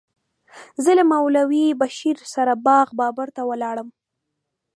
زه له مولوي بشیر سره باغ بابر ته ولاړم.